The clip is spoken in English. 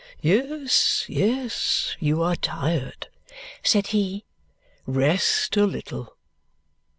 "Yes, yes, you are tired," said he. "Rest a little."